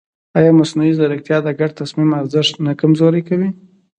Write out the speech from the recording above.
ایا مصنوعي ځیرکتیا د ګډ تصمیم ارزښت نه کمزوری کوي؟